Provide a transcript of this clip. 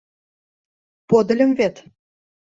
— Подыльым вет...